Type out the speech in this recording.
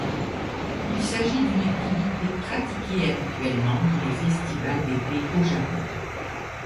Il s’agit d’une activité pratiquée habituellement dans les festivals d’été au Japon.